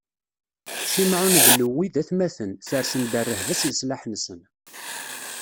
Cimɛun d Lewwi d atmaten, sersen-d rrehba s leslaḥ-nsen.